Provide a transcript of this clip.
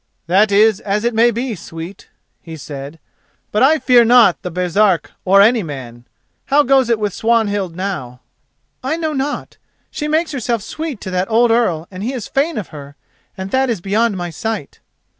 "That is as it may be, sweet," he said; "but I fear not the Baresark or any man. How goes it with Swanhild now?" "I know not. She makes herself sweet to that old Earl and he is fain of her, and that is beyond my sight."